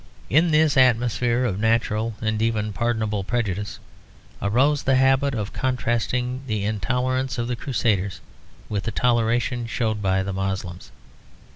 In this atmosphere of natural and even pardonable prejudice arose the habit of contrasting the intolerance of the Crusaders with the toleration shown by the Moslems.